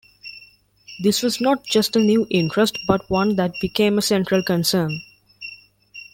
This was not just a new interest but one that became a central concern.